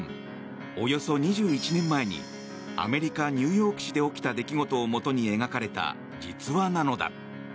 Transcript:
およそ２１年前にアメリカ・ニューヨーク市で起きた出来事をもとに描かれた実話なのだ。